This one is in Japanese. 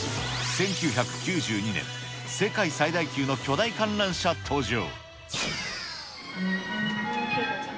１９９２年、世界最大級の巨大観覧車登場。